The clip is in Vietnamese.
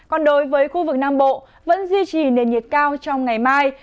còn đối với khu vực nam bộ vẫn duy trì nền nhiệt cao trong ngày mai